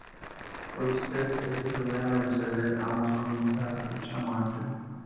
Whistler es el primero en ceder; ambos comienzan la lucha a muerte.